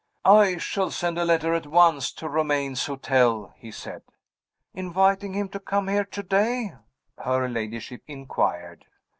"I shall send a letter at once to Romayne's hotel," he said. "Inviting him to come here to day?" her ladyship inquired.